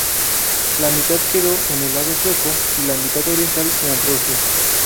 La mitad quedó en el lado sueco, y la mitad oriental en Rusia.